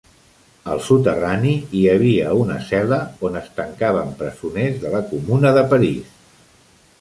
Al soterrani hi havia una cel·la on es tancaven presoners de la Comuna de París.